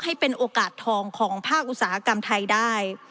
ให้เป็นโอกาสทองของภาคอุตสาหกรรมไทยได้